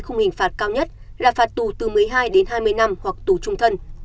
khung hình phạt cao nhất là phạt tù từ một mươi hai đến hai mươi năm hoặc tù trung thân